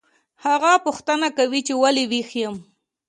هغه پوښتنه کوي چې ولې ویښ یم